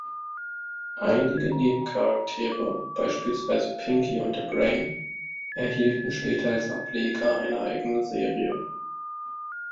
Einige Nebencharaktere, beispielsweise Pinky und der Brain, erhielten später als Ableger eine eigene Serie.